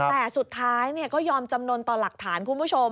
แต่สุดท้ายก็ยอมจำนวนต่อหลักฐานคุณผู้ชม